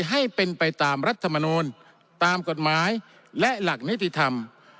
ให้เป็นไปตามรัฐมนูลตามกฎหมายและหลักนิติธรรม